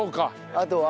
あとは？